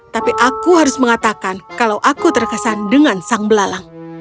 tapi aku harus mengatakan kalau aku terkesan dengan sang belalang